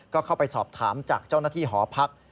ก็เข้าไปสอบถามจากเจ้าหน้าที่หอพัก